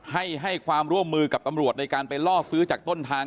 ให้ให้ความร่วมมือกับตำรวจในการไปล่อซื้อจากต้นทาง